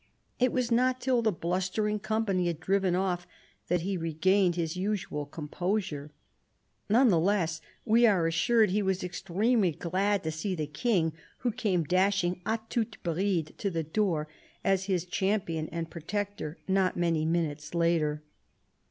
It was not till the blustering company had driven off that he regained his usual composure. None the less, we are assured, he was extremely glad to see the King, who came dashing " a toute bride" to the door, as his champion and protector, not many minutes later.